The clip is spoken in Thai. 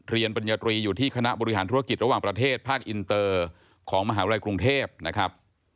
ปัญญาตรีอยู่ที่คณะบริหารธุรกิจระหว่างประเทศภาคอินเตอร์ของมหาวิทยาลัยกรุงเทพนะครับ